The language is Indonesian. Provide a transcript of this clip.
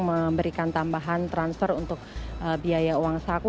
memberikan tambahan transfer untuk biaya uang saku